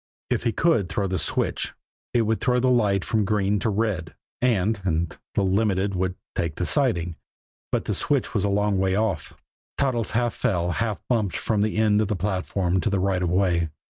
If he could throw the switch, it would throw the light from green to red, and and the Limited would take the siding. But the switch was a long way off. Toddles half fell, half bumped from the end of the platform to the right of way.